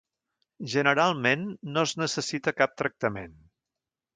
Generalment no es necessita cap tractament.